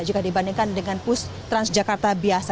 jika dibandingkan dengan bus trans jakarta biasa